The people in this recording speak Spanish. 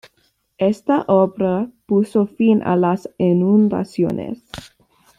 Esta obra puso fin a las inundaciones.